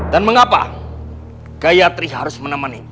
dan mengapa gayatri harus menemani